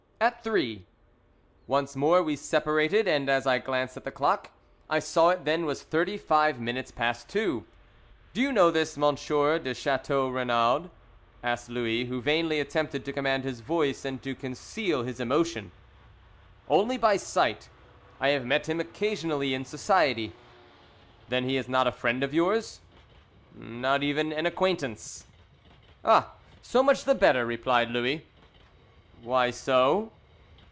"At three!" Once more we separated, and as I glanced at the clock I saw it then was thirty five minutes past two. "Do you know this M. de Chateau Renaud?" asked Louis, who vainly attempted to command his voice, and to conceal his emotion. "Only by sight. I have met him occasionally in society." "Then he is not a friend of yours?" "Not even an acquaintance." "Ah, so much the better," replied Louis. "Why so?"